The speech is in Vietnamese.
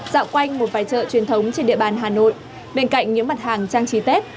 dạo quanh một vài chợ truyền thống trên địa bàn hà nội bên cạnh những mặt hàng trang trí tết